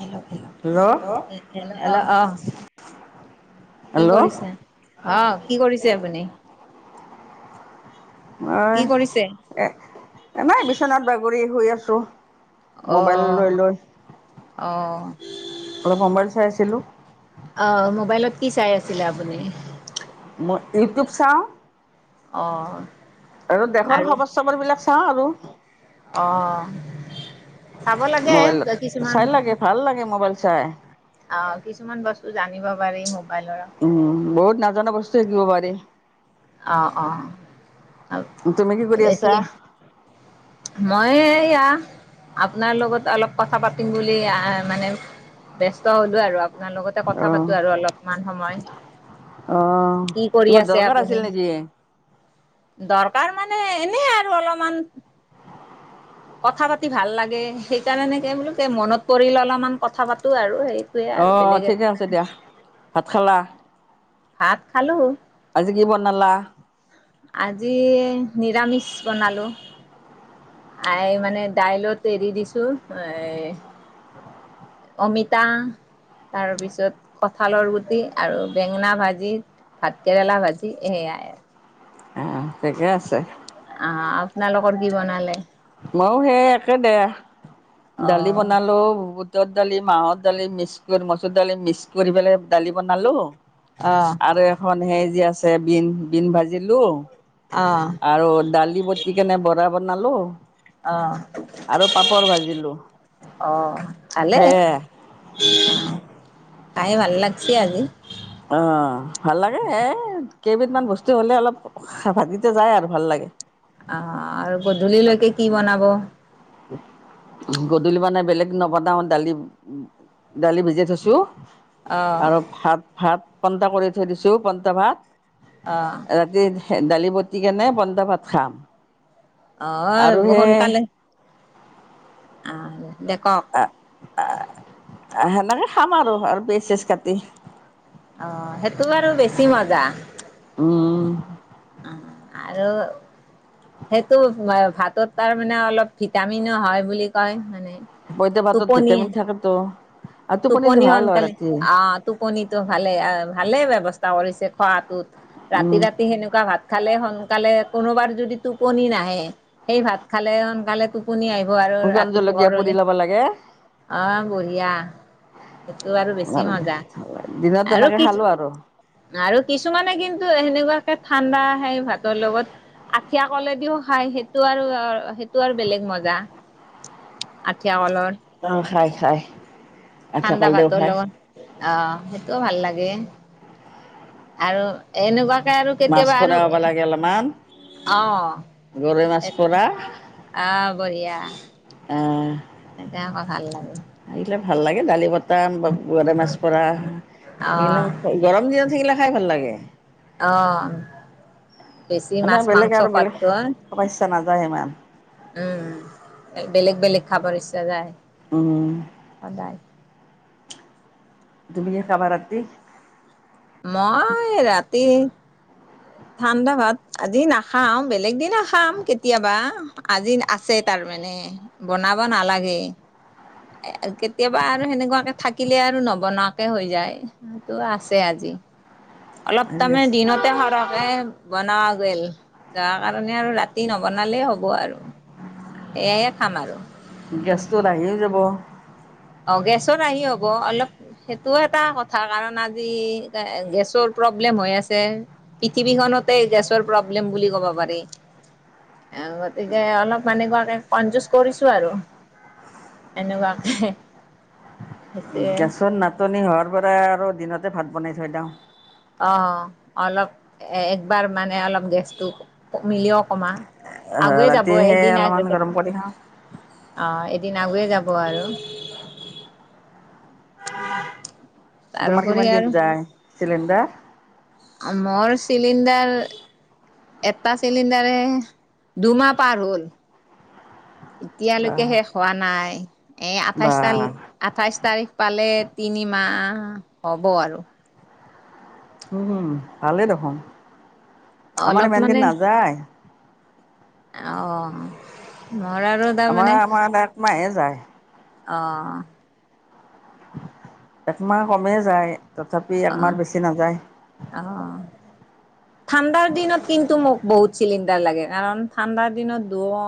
েলেলেল hello hello আহ কি hello কৰিছে, অ' কি কৰিছে আপুনি? কি অ', কৰিছে? এনে বিচনাত বাগৰি শুই আছো। অ মোবাইল লৈ লৈ হয় অলপ সমম্বাইল চাই আছিলো অ মোবাইলত কি চাই আছিলে আপুনি মই ইউটিউব চাওঁ অহ আৰু দেখৰ খবৰ চবৰ বিলাক চাও আৰু। অ'। চাব লাগে মোবাইল কিছুমান চাই লাগে ভাল লাগে মোবাইল চাই অ' কিছুমান বস্তু জানিব পাৰি। বাই লৰা উম বহুত নাজানা বস্তু শিকিব পাৰি অ অ তুমি কৰি কি আছা মই ইয়া আপোনাৰ লগত অলপ কথা পাতিম বুলি আহ মানে বস্ত হলো আৰু তোমাৰ লগতে কথা পাতো আৰু অলপমান সময় অ' কি কৰি কিবা আছে দৰকাৰ আছিল আপুনি? নেকি? দৰকাৰ মানে এনে আৰু অলপমান কথা পাতি ভাল লাগে সেইকাৰণে কি বোলো কে মনত পৰিল অলপমান কথা পাতো আৰু আৰু অঁ বেলেগ ঠিকে আছে দিয়া ভাত খালা ভাত খালো আগি বনালা আজি নিৰামিছ বনালো। আই মানে দাইলত হেৰি দিছো এ অমিতা তাৰপিছত কঠালৰ গুটি আৰু বেঙেনা ভাজি ভাত কেৰেলা ভাজি এ অ সিকে আছে অ আপোনালোকৰ কি বনালে মইো সেই একে দেয়া অ দালি বনালোও বহুত পিতৰ দালি মাহৰ দালি মিক্স কৰি মচুৰ দালি মিক্স কৰি পেলাই দালি বনালোঁ অ আৰু এখন সেই যেি আছে বিন বিন ভাজিলো অ আৰু দালি বট কেনে বৰা বনালো অ আৰু পাপৰ ভাজিলো অ ভালে খাই ভাল লাগছি আজি। অ ভাল লাগে এই কেইবিধমান বস্তু হ'লে অলপ ভাতকেইটা যায় আৰু ভাল লাগে আহ আৰু গধূলিলৈকে কি বনাব উ গধূলি বনাই বেলেগ নবনাও দালি দালি ভিজাই থৈছো আহ আৰু ভাত ভাত পন্তা কৰি থৈ দিছো পন্তা ভাত আহ ৰাতি দালি বতি কেনে বন্দা ভাত খাম অ আৰু সেই সোনকালে আহ দে ক আহ আহ সেনেকে খাম আৰু আৰু বেচেজ কাটি অ সেইটো বাৰু বেছি মজা উম আহ আৰু সেইটো ভাতত তাৰ মানে অলপ ভিটামিনো হয় বুলি কয় মানে পইতা ভাতত টোপনি ভিটামিন থাকেতো আৰু টোপনিটো টোপনি ভাল হয় সোনকালে ৰাতি অ টোপনিটো ভালে ভালে ব্যৱস্থা কৰিছে খোৱাাতটোত উম ৰাতি ৰাতি সেনেকুৱা ভাত খালে সকালে কোনোবাৰ যদি টোপনি নাহে সেই ভাত খালে সোকালে পুনি আহিব আৰু শুকান ৰাতি জলকীয়া পুৰি পোহৰলে ল'ব লাগে অ বঢ়িয়া সেইটো বাৰ বেছি মজা দিনত আৰু তেনেকে কি খালো আৰু আৰু কিছুমানে কিন্তু সেনেকুৱাকে ঠাণ্ডা আহে ভাতৰ লগত আঠিয়া কলেদিও খায় সেইটো আৰু সেইটো আৰু বেলেগ মজা আঠীয়া কলৰ আহ হয় হয় ঠাণ্ডা ভাতৰ লগত অ ভাল লাগে আৰু এনেকুৱা আৰু মাছ কেতিয়াবা পোৰা আৰু হ'ব লাগে অলপমান আহ গৰৈ মাছ সটো পোৰা আহ বঢ়িয়া এহ এনেকে আকৌ ভাল লাগে আহিলে ভাল লাগে দালি বট টান বা গৰে মাছ পুৰা অ' সেইবিলাক গৰম দিনত থাকিলে খাই ভাল লাগে আহঁ বেছি মানে মাছ বেলেগ মাংস আৰু পত বেলেগ খাব ইচ্ছা নাযায় ইমান উম বেলেগ বেলেগ খাবৰ ইচ্ছা যায় উ সদায় তুমি কি খবা ৰাতি মই ৰাতি ঠাণ্ডা ভাত আজি নাখাও বেলেগ দিনাখাম কেতিয়াবা আজি আছে তাৰো মানে বনাব নালাগে কেতিয়াবা আৰু সেনেকুৱাকে থাকিলে আৰু নবনোৱাকে হৈ যায় সটো আছে আজি উ অলপ তামে দিনতে সৰহে বনাওঁ [unintelligible] যোৱা কাৰণে আৰু ৰাতি নবনালেই হ'ব আৰু সেয়ে খাম আৰু গেছটো আহিও যাব অ গেছত আহি হ'ব অলপ সেইটো এটা কথা কাৰণ আজি গেছৰ প্ৰব্লেম হৈ আছে পৃথিৱীখনতে গেছৰ প্ৰব্লেম বুলি ক'ব পাৰি আহ গতিকে অলপ মানুৱৰাকে কন যুজ কৰিছো আৰু এনেকুৱা গেছৰ নাটনি হোৱাৰ পৰা আৰু দিনতে ভাত বনাই থৈ দি ওঁ অ অলপ একবাৰ মানে অলপ গেছটো মিলি অকমা আগুৱে যাব ৰাতিহে এদিন যাব অলপমান গৰম কৰি খাওঁ অ দিন আগুৱায় যাব আৰু তোমাৰ তাৰোপৰি কিমান আৰু দিন যায় চিলিণ্ডাৰ? মোৰ চিলিণ্ডাৰ এটা চিলিণ্ডাৰে দুমাহ পাৰ হ'ল। বা এতিয়ালৈকে শেষ হোৱা নাই, বা এ আঠাইশ তাৰিখ পালে তিনি মাহ আ, হ'ব আৰু। উম, ভালেই দেখোন, আমাৰ অলপ ইমান মানে দিন নাযায় অ' মোৰ আৰু তাৰ আমাৰ মানে আমাৰ একমাহে যায় অ'। একমাহ কমে যায়। তথাপি অ', একমাহ বেছি নাযায় অ' ঠাণ্ডাৰ দিনত কিন্তু মোক বহুত চিলিণ্ডাৰ লাগে কাৰণ ঠাণ্ডাৰ দিনত দ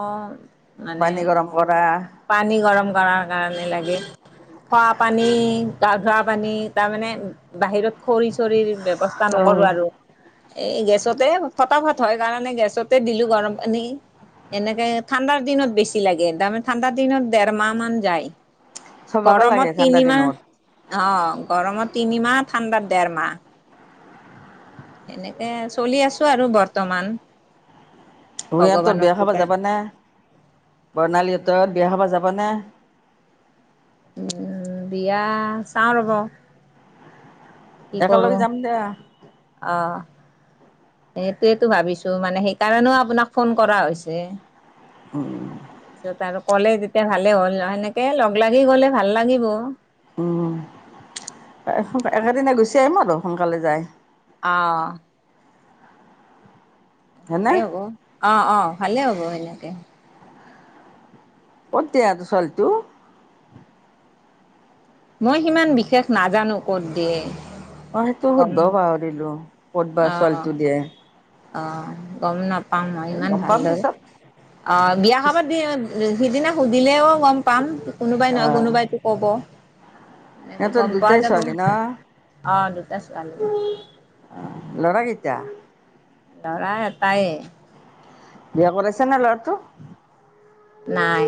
পানীগৰম কৰা। পানী গৰম কৰাৰ কাৰণে লাগে। খোৱা পানী গা ধোৱা পানী তাৰমানে বাহিৰত খৰি চৰিৰ ব্যবস্থা নকৰো আৰু। এই গেছতে ফটাফট হয় কাৰণে গেছতে দিলো গৰম পানী। এনেকে ঠাণ্ডাৰ দিনত বেছি লাগে তাৰমানে ঠাণ্ডাৰ দিনত ডেৰ মাহ মান যায়। চবকে লাগে গৰমত ঠাণ্ডা তিনি মাহ। দিনত অ' গৰমত তিনিমাহ ঠাণ্ডাত দেৰ মাহ। এনেকে চলি আছো আৰু বৰ্তমান। ও' ইহতৰ ভগৱানৰ বিয়া খাবা কৃপাত। যাবা নে বৰ্ণালী হত বতত বিয়া হ'ব যাব নে? উম বিয়া চাওঁ ৰ'ব। কি কৰো একেলগে যাম দিয়া অ'। সেইটোয়েতো ভাবিছো মানে সেইকাৰণেও আপোনাক ফোন কৰা হৈছে। উম। তাৰপিছত আৰু ক'লে তেতিয়া ভালে হ'ল, সেনেকে লগ লাগি গ'লে ভাল লাগিব। উম, এসো একেদিন গুচি আহিম আৰু আৰু সোনকালে যাই অ'। হয়নে ভালে হ'ব অ', অ' ভালে হ'ব সেনেকে। [unintelligible] ছোৱালিটো। মই সিমান বিশেষ নাজানো কত দিয়ে। মই সেইটো গম সুধবাও পাহৰিলো ক'ত বা অ' ছোৱালীটো দিয়ে। অ', গম নাপাওঁ মই ইমান গম পাম ভালদৰে পিছত অ' বিয়া খাবা সিদিনা সুধিলেও গম পাম কোনোবাই নহয় আহ কোনোবাইটো কব। এনেকে সিহঁতৰ গম পোৱা দুটাই যাব ছোৱালী ন অ ' দ ছোৱালী ল'ৰা কেইটা দৰা এটায়ে। বিয়া কৰাইছা নে ল'ৰাটো? নাই,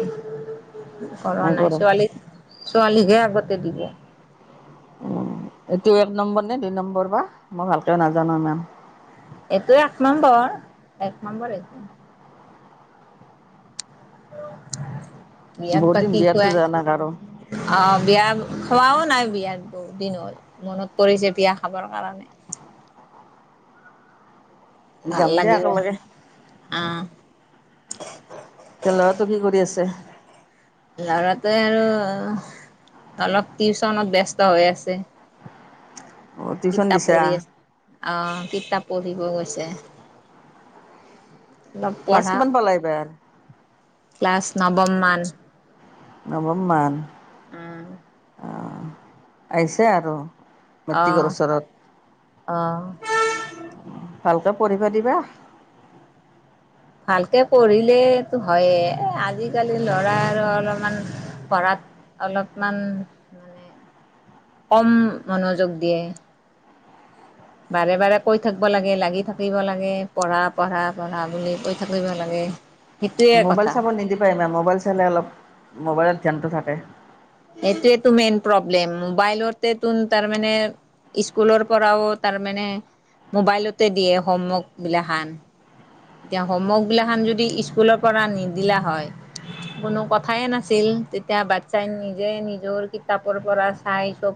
কৰো নাই ছোৱালী ছোৱালীক হে আগতে দিব। উম এইটো এক নম্বৰ নে দুই নম্বৰ বা মই ভালকৈ নাজানো ইমান। এইটো এক নম্বৰ, এক নম্বৰ এইটো বিয়াত বহুত বা দিন কি বিয়াতো খোৱায় যোৱা নাই কাৰো অ' বিয়া খোৱাও নাই বিয়াত বহুত দিন হ'ল, মনত পৰিছে বিয়া খাবৰ কাৰণে [inaudible] ভাল যাম দিয়া লাগিব একেলগে। আহ এতিয়া ল'ৰাটো কি কৰি আছে ল'ৰাটোৱে আৰু অলপ টিউচনত ব্যস্ত হৈ আছে। অ টিউচন কিতাপ দিছা পঢ়ি আছে, অ' কিতাপ পঢ়িব গৈছে। অলপ ক্লাছ পঢ়া কিমান পালা এইবাৰ ক্লাছ নৱমমান নৱম ম আহ আহিছে আৰু মেতিিকচৰতৰত অঁ ভালকৈ পঢ়িবা দিবা ভালকে পঢ়িলেই হয়েই, আজিকালি ল'ৰা আৰু অলপমান পঢ়াত অলপমান মানে কম মনোযোগ দিয়ে। বাৰে বাৰে কৈ থাকব লাগে লাগি থাকিব লাগে পঢ়া পঢ়া পঢ়া বুলি কৈ থাকিব লাগে। হয় মোবাইল চাব নিদ পাৰিমা মোবাইল চালে অলপ মোবাইলত ধ্যানটো থাকে এইটোটো মেইন প্ৰব্লেম মোবাইলৰ তেত তাৰ মমানে স্কুলৰ পৰাও তাৰমানে মোবাইলতে দিয়ে হোমৱৰ্ক বিলাখান এতিয়া হোমৱৰ্ক বিলা খখন যদি স্কুলৰ পৰা নিদিলা হয় কোনো কথাই নাছিল, তেতিয়া বাচ্ছাই নিজে নিজৰ কিতাপৰ পৰা চাই চব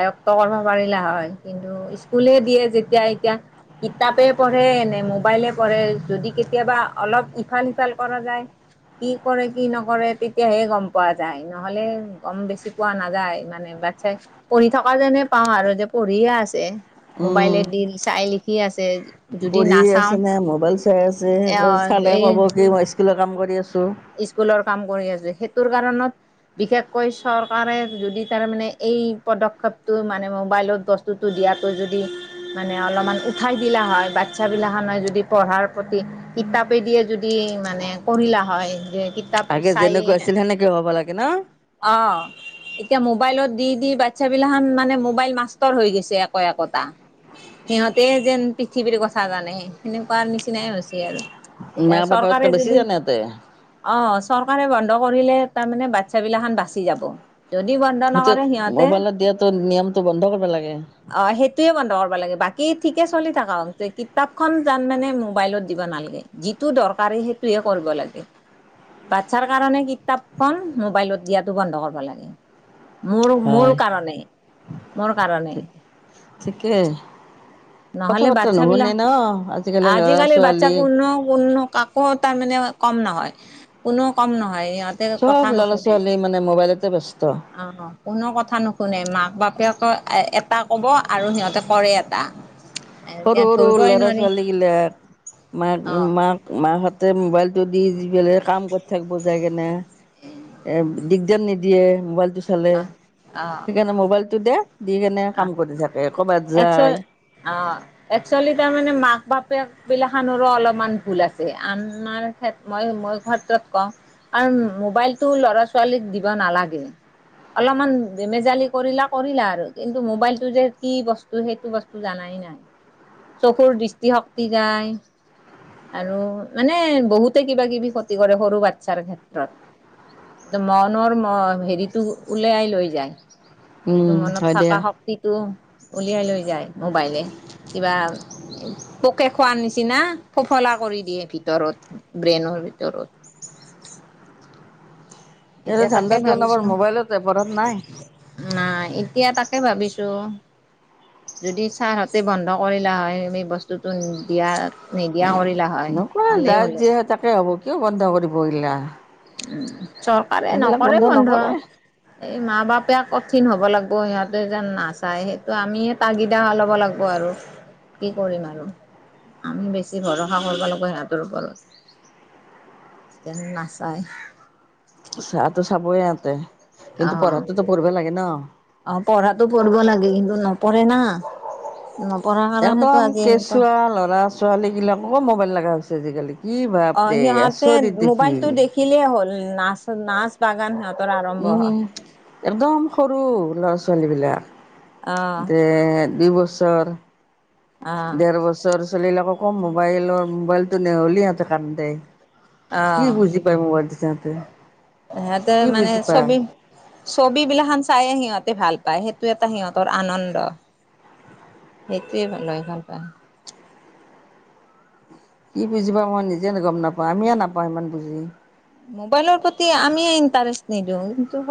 আয়ত কৰিব পাৰিলে হয় কিন্তু স্কুল দিয়ে যেতিয়া এতিয়া কাপ পঢ়ে এনে মোবাইলে পঢ়ে যদি কেতিয়াবা অলপ ইফাল সিফাল কৰা যায় কি কৰে কি নকৰে তেতিয়াহে গম পোৱা যায় নহলে গম বেছি পোৱা নাযায় মানে বাচ্ছাই পঢ়ি থকা যেনে পাওঁ আৰু যে পঢ়িয়ে আছে উম মোবাইলে দি চাই লিখি আছে, যদি পঢ়ি নাচাওঁ আছে নে মোবাইল চাই আছে চালে ক'ব কি মই স্কুলৰ কাম কৰি আছো ইস্কুলৰ কাম কৰি আছোঁ, সেইটোৰ কাৰণত বিশেষকৈ চৰকাৰে যদি তাৰ মানে এই পদক্ষেপটো মানে মোবাইলত বস্তুতটো দি দিয়াত যদি মানে অলপমান উঠাই দিলা হয় বাচ্ছা বিলাখ যদি পঢ়াৰ প্ৰতি কিতাপে দিয়ে যদি মানে কৰিঢ়লা হয় যে কিতাপ আগে চাই যেনেকুৱা আছিল সেনেকে হ'ব লাগে ন অ এতিয়া মোবাইলত দি দি বাচ্ছা বিলাান মানে মোবাইল মাষ্টৰ হৈ গৈছে একো একটাা সিহঁতে যেন পৃথিৱীৰ কথা জানে সেনেকুৱা নিচিনাই হৈছে আৰু মা এতিয়া বাপাতকে চৰকাৰে বেছি যদিও জানে ইহঁতে অ' চৰকাৰে বন্ধ কৰিলে তাৰমানে বাচ্ছা গিলাখান বাচি যাব। যদি বন্ধ সেইটো নকৰে সিহঁতে মোবাইলত দিয়াটো নিয়মটো বন্ধ কৰিব লাগে আহ সেইটয়ে বন্ধা দ লাগ বাকী ঠিকে চলি থকা কিতাপখনান মানে মোবাইলত দিব নালাগে যিটো দ চৰকাৰে সেইটোহে কৰিব লাগে। বাচ্ছাৰ কাৰণে কিতাপখন মোবাইলত দিয়াতো বন্ধ কৰিব লাগে। মোৰ মোৰ হয় কাৰণে মোৰ কাৰণে ঠিকেই কথা নহলে বতৰা বাচ্ছা নুশুনে বিলাক ন আজিকালি ল'ৰা আজিকালিৰ বাচ্ছা ছোৱালী কন্ন উন্ন কাকো তাৰ মানে কম নহয় কোননেও কম নহয় তাতে চব কথা ল'ৰা নুশুনে ছোৱালী মানে মোবাইলতে ব্যস্ত অ কোনো কথা নুশুনে মাক বাপেক এটা ক'ব আৰু সিহঁতে কৰে এটা সৰু এতিয়া সৰু ধৰিবই ল'ৰা নোৱাৰি ছোৱালী বিিলাক মাক অ মাক মাহঁত তা মোবাইল টো দি যি পলে কাম কৰি থাকিব যায় কেনে এ দিগদাৰ নিদ দিয়ে মোবাইলটো চালে অ অ সেইকাৰণে মোবাইলটো দে দি কেনে অ কাম কৰি থাকে কৰ'বাত যায় একচোৱি তাৰ মানে মাক বাপেক বিলাকনৰো অলপমান ভুল আছে আাৰ কেত মই মই ক্ষ্ৰত কওঁ আৰু মোবাইলতটো ল'ৰা ছোৱালীক দিব নালাগে অলপমান ধেমেজালি কৰিলা কৰিলা আৰু কিন্তু মোবাইলটো যে কি বস্তু সেইটো বস্তু জানাই চকুৰ দৃষ্টিশক্তি যায় আৰু মানে বহুতে কিবা-কিবি ক্ষতি কৰে সৰু বাচ্ছাৰ ক্ষেত্ৰত। এ মনৰ ম হেৰিটো উলিয়াই লৈ যায় যটো উম মনত হয় থকা দিয়া শক্তিটো উলিয়াই লৈ যায় মোবাইলে কিবা পোকে খোৱাৰ নিচিনা। ফফলা কৰি দিয়ে ভিতৰত ব্ৰেইনৰ ভিতৰত। এইটো এতিয়া তাকে ধান্দাটো আমাৰ ভাবিছো, মোবাইলতে পঢ়াত নাই নাই এতিয়া তাকে ভাবিছো। [unintelligible] যদি ছাৰহতে বন্ধ কৰিলা হয়, বস্তুতটো দিয়া নিদিয়া কৰি নকৰা যাৰ যি হয় তাকে হ'ব কিয় বন্ধ কৰিব এইগিলা। চৰকাৰে এইবিলাক নকৰে বন্ধ নকৰে এই মা বাপে কঠিন হ'ব লাগিব সিহঁত। যেন নাচায় সেইটো আমি তাগিদা ল'ব লাগিব আৰু, কি কৰিম আৰু। আমি বেছি ভৰসা কৰিব লাগিব সিহঁতৰ ওপৰত। [inaudible] তেন নাচায়। চাহটো চাবই ইহতে। অ' অ', পঢ়াটো কৰিবঢ লাগে কিন্তু ন পৰে না নপঢ়াৰ কাৰণেতো একদম আজি এনেকুৱা কেঁচুৱা ল'ৰা ছোৱালী বিলাককো মোবাইল লগা হৈছে আজিকালি। কি অ' ভাবৰে সিহঁতে আচৰিত দেখি মোবাইলতো দেখিলেই হ'ল। নাচ নাচ বাগান সিহঁতৰ আৰম্ভ হয়। উম একদম সৰু ল'ৰা ছোৱালী বিলাক, অ', তে দুই বছৰ। অ', দেৰ বছৰ চলিলে আকৌ কম মোবাইলৰ মোবাইলটো নেহ'লিহঁতে কান্দে। কি অ'। বুজি পায় মোবাইলটো চহতে। সিহঁতে মানে চবি ছবি বিলাান চায়ে সিহঁতে ভাল পায় সেইটো এটা সিহঁতৰ আনন্দ। সেইটোলৈ ভাল হয় কি বুজি পা মই নিজে ন গম নাপাওঁ আমিয়ে নাপাওঁ ইমান বুজি। মোবাইলৰ প্ৰতি আমিয়ে ইণ্টাৰেষ্ট নিদিওঁ, কিন্তু